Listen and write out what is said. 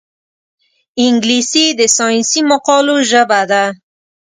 انګلیسي د ساینسي مقالو ژبه ده